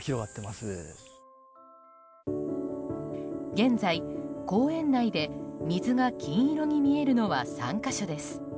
現在、公園内で水が金色に見えるのは３か所です。